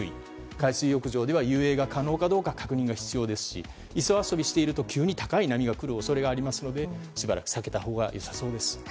海水浴場では遊泳が可能かどうか確認が必要ですし磯遊びしていると急に高い波が来る恐れがありますのでしばらく避けたほうがよさそうです。